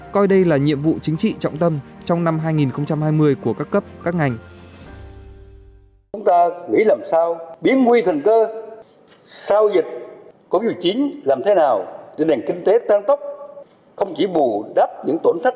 coi đây là nhiệm vụ chính trị trọng tâm trong năm hai nghìn hai mươi của các cấp các ngành